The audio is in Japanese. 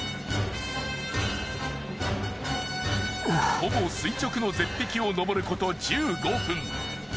ほぼ垂直の絶壁を登ること１５分。